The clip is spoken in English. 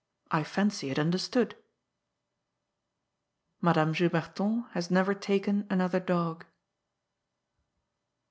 I fancy it understood. Madame Juberton has never taken another dog.